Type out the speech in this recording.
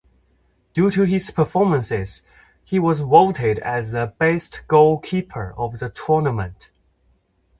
Due to his performances, he was voted as the Best Goalkeeper of the Tournament.